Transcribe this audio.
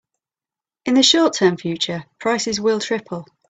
In the short term future, prices will triple.